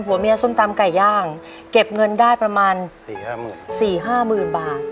ผัวเมียส้มตำไก่ย่างเก็บเงินได้ประมาณสี่ห้าหมื่นสี่ห้ามืนบาท